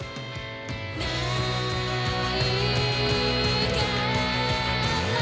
「ないから」